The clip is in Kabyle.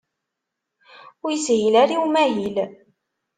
Ur yeshil ara i umahil